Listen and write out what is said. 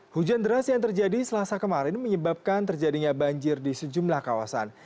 hujan deras yang terjadi selasa kemarin menyebabkan terjadinya banjir di sejumlah kawasan